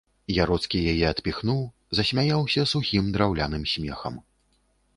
Яроцкі яе адпіхнуў, засмяяўся сухім, драўляным смехам.